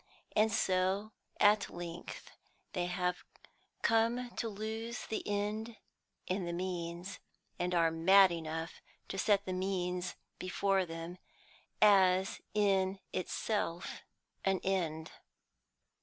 And so at length they have come to lose the end in the means; are mad enough to set the means before them as in itself an end."